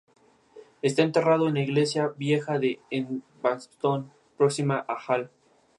Tras su captura, cruzó el Pacífico hasta aguas australianas.